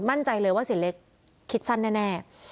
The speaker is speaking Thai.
มั่นใจเลยว่าเสียเล็กคิดสั้นแน่